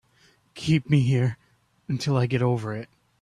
Keep me here until I get over it.